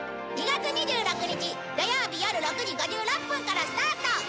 ２月２６日土曜日よる６時５６分からスタート